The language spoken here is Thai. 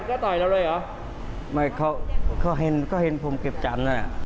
จะต่อยเรื่อยไม่เขาก็เห็นเพราะจะเขาเห็นผลเก็ปจัน